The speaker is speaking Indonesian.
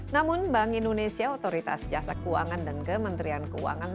namun bank indonesia otoritas jasa keuangan dan kementerian keuangan